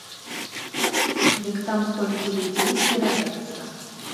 Дык там столькі людзей збіраецца!